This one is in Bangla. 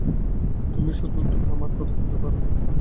তুমিই শুধু আমার কথা শুনতে পাবে।